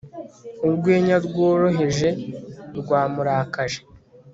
Urwenya rworoheje rwamurakaje